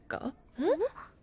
えっ？